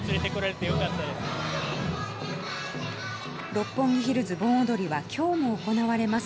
六本木ヒルズ盆踊りは今日も行われます。